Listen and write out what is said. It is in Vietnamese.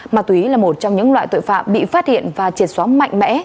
mà tùy ý là một trong những loại tội phạm bị phát hiện và triệt xóa mạnh mẽ